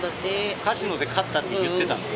カジノで勝ったって言ってたんですか。